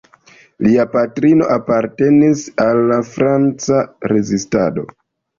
Lia patrino apartenis al franca rezistado.